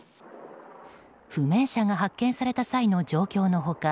不明者が発見された際の状況の他